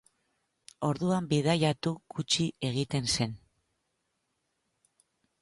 Orduan bidaiatu gutxi egiten zen.